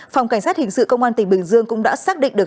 phòng cảnh sát hình sự công an tỉnh bình dương cũng đã xác định được